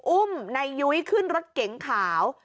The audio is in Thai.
อุ้มนายยุ้ยขึ้นรถเก๋งขาว